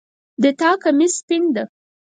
د تا کمیس سپین ده